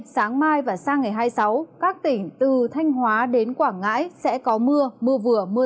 sáng sớm ngày mai và sang ngày hai mươi sáu các tỉnh từ thanh hóa đến quảng ngãi sẽ có mưa mưa vừa mưa